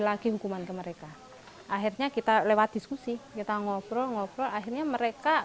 lagi hukuman ke mereka akhirnya kita lewat diskusi kita ngobrol ngobrol akhirnya mereka